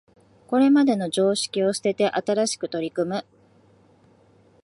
これまでの常識を捨てて新しく取り組む